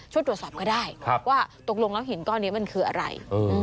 ตรวจสอบก็ได้ว่าตกลงแล้วหินก้อนนี้มันคืออะไร